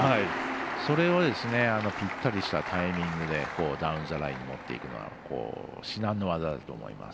それをぴったりしたタイミングでダウンザラインにもっていくのは至難の業だと思います。